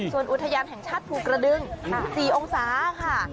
ส่วนอุทยานแห่งชาติภูกระดึง๔องศาค่ะ